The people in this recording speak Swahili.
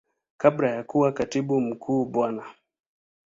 Kabla ya kuwa Katibu Mkuu Bwana.